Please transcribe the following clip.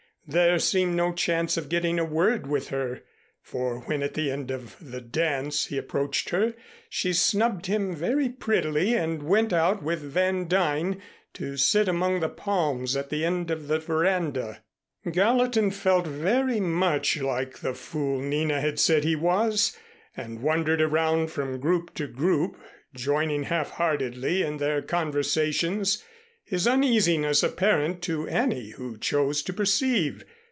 There seemed no chance of getting a word with her, for when at the end of the dance he approached her, she snubbed him very prettily and went out with Van Duyn to sit among the palms at the end of the veranda. Gallatin felt very much like the fool Nina had said he was and wandered around from group to group joining half heartedly in their conversations, his uneasiness apparent to any who chose to perceive.